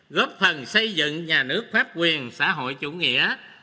góp phần xây dựng nhà nước pháp quyền xã hội chủ nghĩa